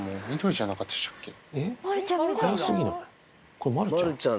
これまるちゃん？